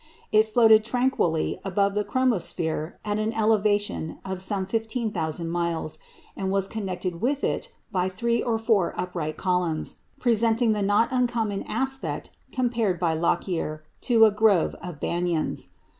It floated tranquilly above the chromosphere at an elevation of some 15,000 miles, and was connected with it by three or four upright columns, presenting the not uncommon aspect compared by Lockyer to that of a grove of banyans.